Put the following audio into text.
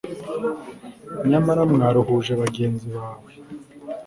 nyamara mwaruhuje bagenzi bawe